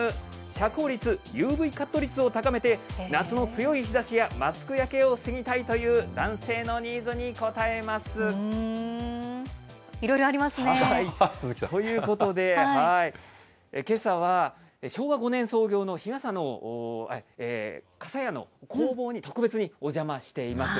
遮光率、ＵＶカット率を高めて、夏の強い日ざしやマスク焼けを防ぎたいという男性のいろいろありますね。ということで、けさは昭和５年創業の傘屋の工房に特別にお邪魔しています。